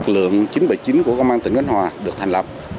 lượng chín trăm bảy mươi chín của công an tỉnh khánh hòa được thành lập